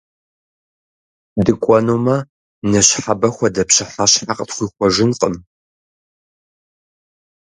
ДыкӀуэнумэ, ныщхьэбэ хуэдэ пщыхьэщхьэ къытхуихуэжынкъым!